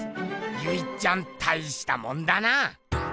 ゆいっちゃんたいしたもんだな！